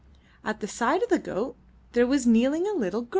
At the side of the goat there was kneeling a little girl.